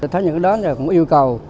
thế nhưng đó cũng yêu cầu